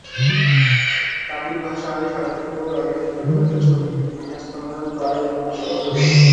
তামিল ভাষায় সাড়া ফেললেও রজনীকান্তর ছবি হিন্দি সংস্করণে প্রায় মুখ থুবড়ে পড়েছে।